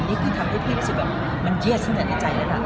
อันนี้ทำให้ก็เบื้องบทผมเย็ดกว่าในใจ